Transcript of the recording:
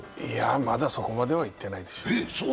まだそこまではいってないでしょう。